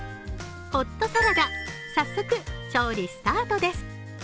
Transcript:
ホットサラダ、早速調理スタートです。